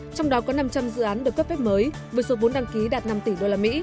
trong đó có năm trăm linh dự án được cấp phép mới với số vốn đăng ký đạt năm tỷ usd